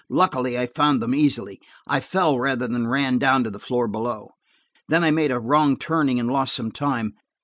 Luckily, I found them easily. I fell rather than ran down to the floor below. Then I made a wrong turning and lost some time.